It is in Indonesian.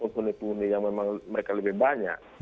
puni puni yang memang mereka lebih banyak